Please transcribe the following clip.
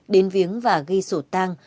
đến viếng và ghi sổ tang